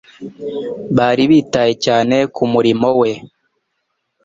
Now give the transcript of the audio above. Bari bitaye cyane ku murimo we.